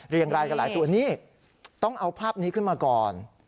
รายกันหลายตัวนี่ต้องเอาภาพนี้ขึ้นมาก่อน